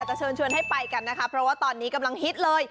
จะเชิญชวนให้ไปกันนะคะเพราะว่าตอนนี้กำลังฮิตเลย